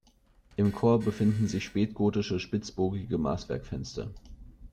Im Chor befinden sich spätgotische spitzbogige Maßwerkfenster.